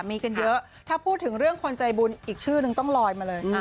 มีกันเยอะถ้าพูดถึงเรื่องคนใจบุญอีกชื่อนึงต้องลอยมาเลย